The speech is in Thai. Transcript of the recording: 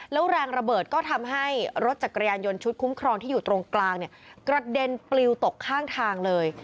แล้วแรงระเบิดก็ทำให้รถจักรยานยนต์ชุดคุ้มครองที่อยู่ตรงกลางเนี่ยกระเด็นปลิวตกข้างทางเลย